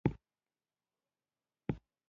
چې میلانوسایټس نومیږي، همدلته وي.